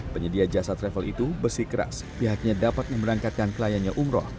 penyedia jasa travel itu besi keras pihaknya dapat memberangkatkan kliennya umroh